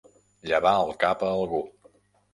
Llevar el cap a algú.